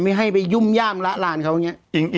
ให้ไปยุ่มย่ามละลานเขาอย่างนี้